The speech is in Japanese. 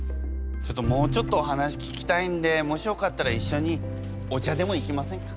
ちょっともうちょっとお話聞きたいんでもしよかったら一緒にお茶でも行きませんか？